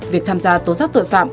việc tham gia tố giác tội phạm